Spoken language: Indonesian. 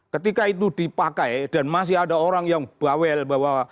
ketika itu dipakai dan masih ada orang yang bawel bahwa